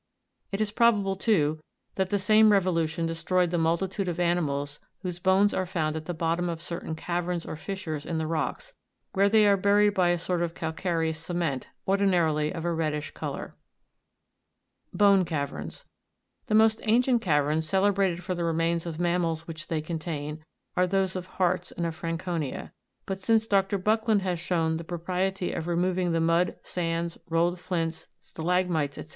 It is probable, too, that the same revolution destroyed the multitude of animals whose bones are found at the bottom of certain caverns or fissures in the rocks, where they are buried in a sort of calcareous cement, ordinarily of a reddish colour. 30. BONE CAVERNS. The most ancient caverns, celebrated for the remains of mammals which they contain, are those of Harz and of Franconia ; but since Dr. Buckland has shown the pro priety of removing the mud, sands, rolled flints , stala'gmites, &c.